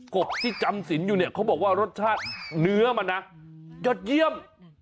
บที่จำสินอยู่เนี่ยเขาบอกว่ารสชาติเนื้อมันนะยอดเยี่ยม